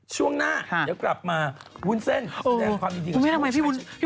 ช่วงหน้าเดี๋ยวกลับมาบุญเส้นแสดงความดีดีกว่าใช่